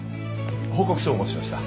報告書をお持ちしました。